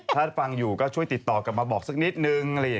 ถ้าฟังอยู่ก็ช่วยติดต่อกลับมาบอกสักนิดนึง